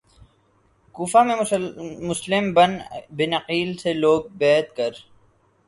کوفہ میں Muslim bin Aqil سے لوگ بیعت کر